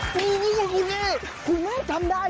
คุณนี่ก็คุณเองคุณแม่จำได้